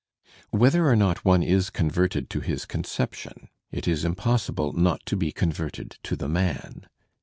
Whether or not one is converted to his conception, it is impossible not to be a converted to the m an.